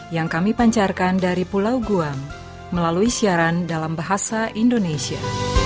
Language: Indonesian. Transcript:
yang kami pancarkan dari pulau guang melalui siaran dalam bahasa indonesia